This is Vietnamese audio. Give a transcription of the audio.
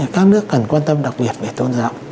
các nước cần quan tâm đặc biệt về tôn giáo